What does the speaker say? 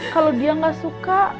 kalau dia gak suka